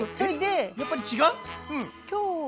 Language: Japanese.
えっやっぱり違う？